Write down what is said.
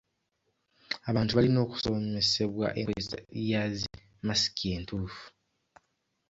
Abantu balina okusomesebwa enkozesa ya zi masiki entuufu.